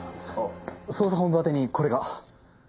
捜査本部宛てにこれが。